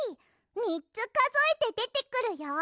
みっつかぞえてでてくるよ！